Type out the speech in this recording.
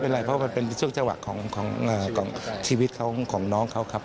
เพราะว่ามันเป็นช่วงเจ้าหวักของชีวิตของน้องเขาครับ